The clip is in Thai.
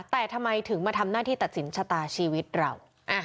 แต่ทำไมถึงมาทำหน้าที่ตัดสินชะตาชีวิตเรา